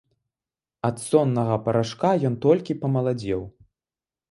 Ад соннага парашка ён толькі памаладзеў.